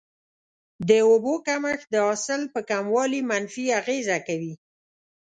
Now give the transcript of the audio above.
د اوبو کمښت د حاصل په کموالي منفي اغیزه کوي.